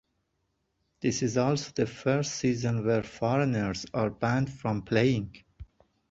This is also the first season where foreigners are banned from playing.